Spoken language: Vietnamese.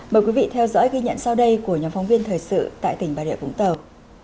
mời quý vị theo dõi ghi nhận sau đây của nhóm phóng viên thời sự tại tỉnh bà rịa vũng tàu